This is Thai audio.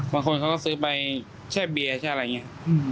ไม่เคยเห็น